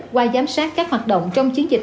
qua giám sát các hoạt động trong chiến dịch